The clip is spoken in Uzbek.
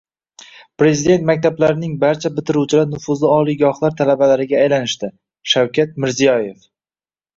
Prezident maktablarining barcha bitiruvchilari nufuzli oliygohlar talabalariga aylanishdi - Shavkat Mirziyoyev